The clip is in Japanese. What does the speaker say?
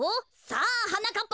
さあはなかっ